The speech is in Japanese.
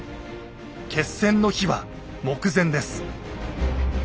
決戦の日は目前です。